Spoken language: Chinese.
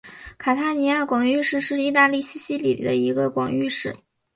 卡塔尼亚广域市是意大利西西里的一个广域市。